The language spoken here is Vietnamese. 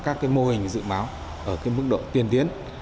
các mô hình dự báo ở mức độ tiên tiến